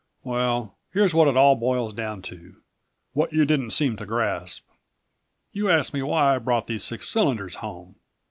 "Well, here's what it all boils down to, what you didn't seem to grasp. You asked me why I brought these six cylinders home.